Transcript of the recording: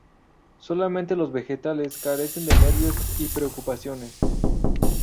Solamente los vegetales carecen de nervios y preocupaciones.